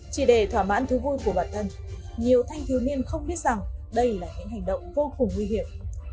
chỉ để thỏa mãn thú vui của bản thân nhiều thanh thiếu niên không biết rằng đây là những hành động vô cùng nguy hiểm